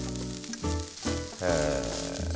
へえ。